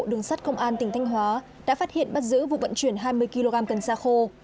đường sắt công an tỉnh thanh hóa đã phát hiện bắt giữ vụ vận chuyển hai mươi kg cần xa khô